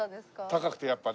高くてやっぱね。